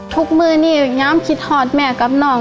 ทุกมือนี้ย้ำคิดถอดแม่กับน้อง